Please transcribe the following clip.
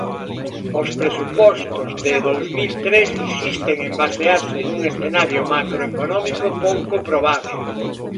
Os presupostos do dous mil tres insisten en basearse nun escenario macroeconómico pouco probábel.